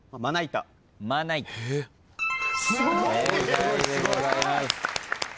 正解でございます。